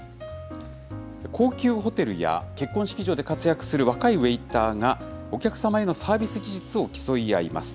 高級ホテルや結婚式場で活躍する若いウエイターが、サービス技術を競い合います。